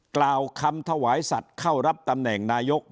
กล่าวคำถวายสัตว์เข้ารับตำแหน่งนายก